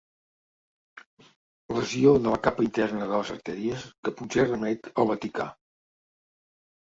Lesió de la capa interna de les artèries que potser remet al Vaticà.